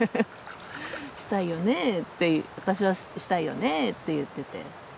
「したいよねえ」って私は「したいよねえ」って言ってて。